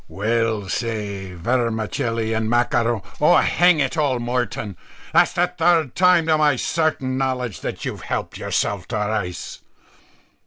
_ "Well, say vermicelli and macaro Oh! hang it all, Moreton, that's the third time to my certain knowledge, that you've helped yourself to rice."